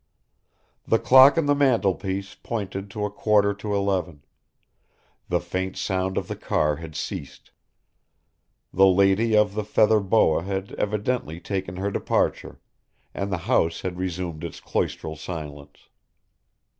The clock on the mantelpiece pointed to a quarter to eleven; the faint sound of the car had ceased. The lady of the feather boa had evidently taken her departure, and the house had resumed its cloistral silence.